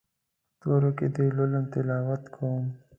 ستورو کې دې لولم تلاوت کوم